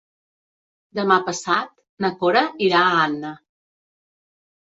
Demà passat na Cora irà a Anna.